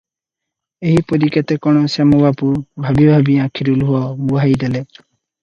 ଏହିପରି କେତେ କଣ ଶ୍ୟାମବାବୁ ଭାବି ଭାବି ଆଖିରୁ ଲୁହ ବୁହାଇ ଦେଲେ ।